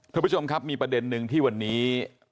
ท่านผู้ชมครับมีประเด็นนึงที่วันนี้